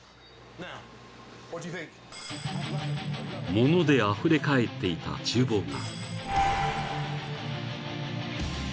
［物であふれかえっていた厨房が］